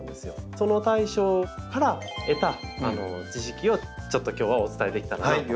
その対処から得た知識をちょっと今日はお伝えできたらなと思います。